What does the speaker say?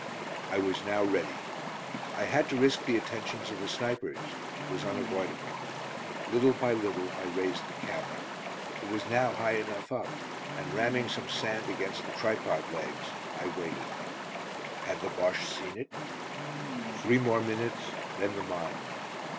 I was now ready. I had to risk the attentions of the snipers; it was unavoidable. Little by little I raised the camera. It was now high enough up, and ramming some sand against the tripod legs, I waited. Had the Bosche seen it? Three more minutes, then the mine.